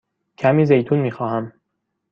کمی زیتون می خواهم.